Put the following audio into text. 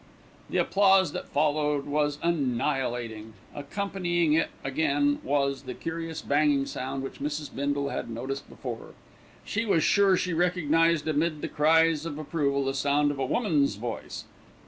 The applause that followed was annihilating. Accompanying it again was the curious banging sound which Mrs. Bindle had noticed before. She was sure she recognised amid the cries of approval, the sound of a woman's voice.